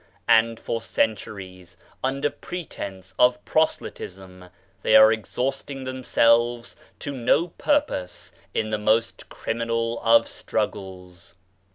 And for centuries, under pretence of proselytism, they are exhausting them selves to no purpose in the most criminal of struggles.